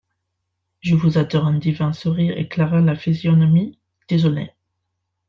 «Je vous adore.» Un divin sourire éclaira la physionomie désolée.